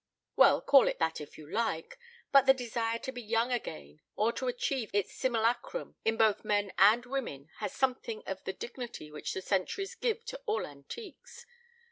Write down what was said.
"Well, call it that if you like, but the desire to be young again or to achieve its simulacrum, in both men and women, has something of the dignity which the centuries give to all antiques.